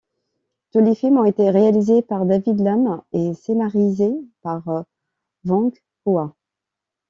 Tous les films ont été réalisés par David Lam et scénarisés par Wong Ho-wah.